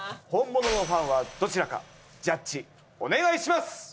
本物のファンはどちらかジャッジお願いします。